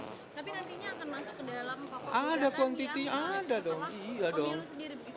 tapi nantinya akan masuk ke dalam panggung kebenaran yang telah pemilu sendiri pikirkan ya